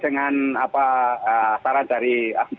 dengan saran dari